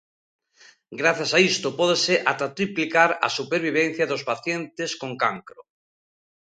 Grazas a isto pódese ata triplicar a supervivencia dos pacientes con cancro.